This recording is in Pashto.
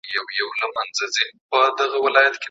د هیوادونو ترمنځ قراردادونه څنګه څیړل کیږي؟